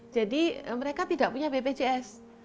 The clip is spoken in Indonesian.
jadi mereka tidak punya bpjs